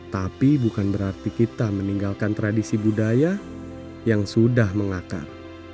tapi bukan berarti kita meninggalkan tradisi budaya yang sudah mengakar